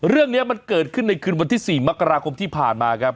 เรื่องนี้มันเกิดขึ้นในคืนวันที่๔มกราคมที่ผ่านมาครับ